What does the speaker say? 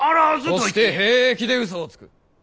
そして平気でうそをつく。